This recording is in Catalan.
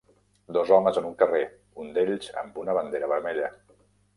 Dos homes en un carrer, un d'ells amb una bandera vermella.